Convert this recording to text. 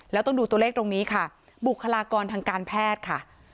แล้วต้องดูตัวเลขตรงนี้ค่ะบุคลากรทางการแพทย์ค่ะ